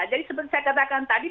seperti saya katakan tadi